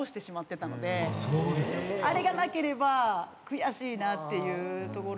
あれがなければ悔しいなっていうところが。